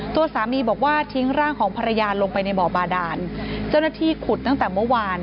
ตัวสามีบอกว่าทิ้งร่างของภรรยาลงไปในบ่อบาดานเจ้าหน้าที่ขุดตั้งแต่เมื่อวาน